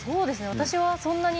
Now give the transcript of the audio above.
私はそんなに。